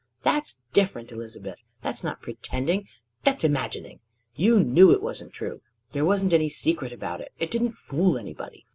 "That's different, Elizabeth. That's not pretending; that's imagining. You knew it wasn't true: there wasn't any secret about it: it didn't fool anybody.